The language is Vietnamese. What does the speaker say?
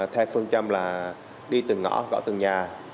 theo phương châm là đi từng ngõ gõ từng nhà